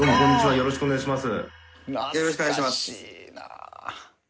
よろしくお願いします。